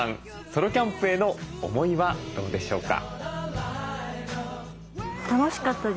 ソロキャンプへの思いはどうでしょうか。